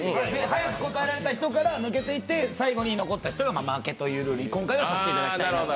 早く答えられた人から抜けていって、最後に残った人が負けというルールに今回はさせていただいて。